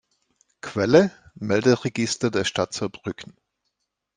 Quelle: Melderegister der Stadt Saarbrücken